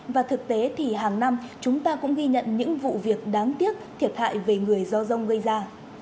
và thực tế thì hàng năm chúng ta cũng ghi nhận những vụ việc đáng tiếc thiệt hại về người do rông gây ra